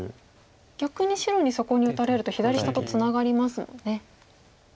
逆に白にそこに打たれると左下とツナがりますもんね。